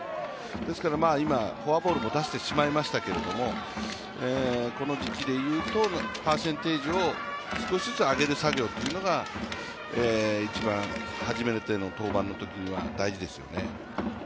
ですから今、フォアボールも出してしまいましたけど、この時期で言うとパーセンテージを少しずつ上げる作業というのが初めての登板のときには一番大事ですよね。